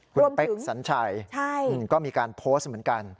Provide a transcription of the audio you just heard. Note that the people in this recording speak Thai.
คุณเป๊กสัญชัยก็มีการโพสต์เหมือนกัน